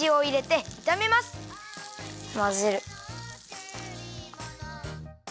まぜる！